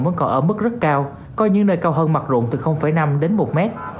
vẫn còn ở mức rất cao coi như nơi cao hơn mặt ruộng từ năm đến một mét